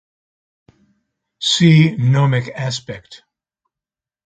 See gnomic aspect.